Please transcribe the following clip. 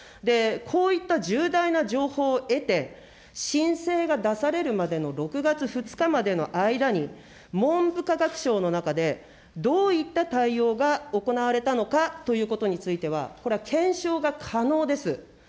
こういった重大な情報を得て、申請が出されるまでの６月２日までの間に、文部科学省の中でどういった対応が行われたのかということについては、これは検証が可能です。